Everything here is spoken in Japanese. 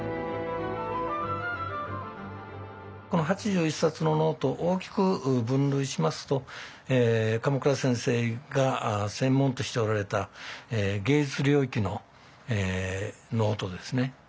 この８１冊のノート大きく分類しますと鎌倉先生が専門としておられた芸術領域のノートですね。